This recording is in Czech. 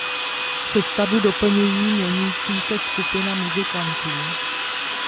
Sestavu doplňují měnící se skupina muzikantů.